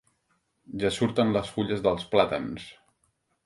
Ja surten les fulles dels plàtans.